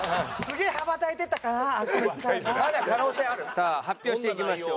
さあ発表していきましょう。